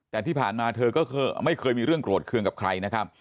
แต่ที่ผ่านมาเธอก็ไม่เคยมีเรื่องโกรธเครื่องกับใครนะครับ